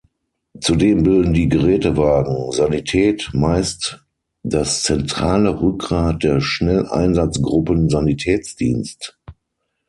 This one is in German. Zudem bilden die Gerätewagen Sanität meist das zentrale Rückgrat der Schnelleinsatzgruppen Sanitätsdienst.